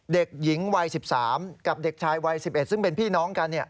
เด็กหญิงวัย๑๓กับเด็กชายวัย๑๑ซึ่งเป็นพี่น้องกัน